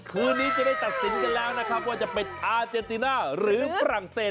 คืนนี้จะได้ตัดสินกันแล้วนะครับว่าจะเป็นอาเจนติน่าหรือฝรั่งเศส